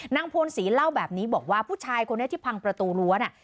พลศรีเล่าแบบนี้บอกว่าผู้ชายคนนี้ที่พังประตูรั้วน่ะ